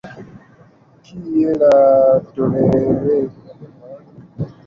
Kie la toleremo?